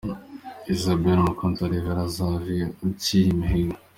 Isabelle umukunzi wa Rev Xavier Uciyimihigo.